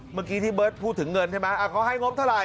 เมื่อกี้ที่เบิร์ตพูดถึงเงินใช่ไหมเขาให้งบเท่าไห